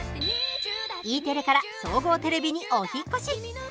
Ｅテレから総合テレビにお引っ越し。